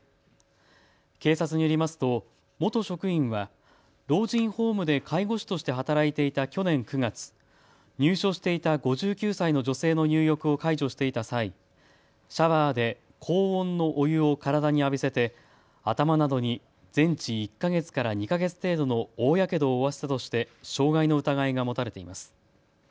警察によりますと元職員は老人ホームで介護士として働いていた去年９月、入所していた５９歳の女性の入浴を介助していた際、シャワーで高温のお湯を体に浴びせて頭などに全治１か月から２か月程度の大やけどを負わせたとして傷害の疑いが持たれています。